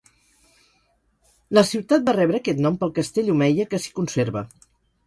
La ciutat va rebre aquest nom pel castell omeia que s'hi conserva.